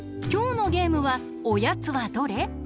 きょうのゲームは「おやつはどれ？」。